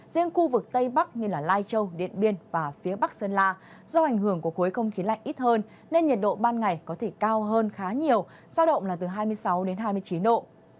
riêng khu vực tây bắc như lai châu điện biên và phía bắc sơn la do ảnh hưởng của khối không khí lạnh ít hơn nên nhiệt độ ban ngày có thể cao hơn khá nhiều giao động là từ hai mươi sáu đến hai mươi chín độ